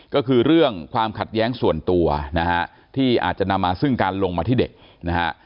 ก็คือเรื่องความขัดแย้งส่วนตัวนะฮะที่อาจจะนำมาซึ่งการลงมาที่เด็กนะฮะ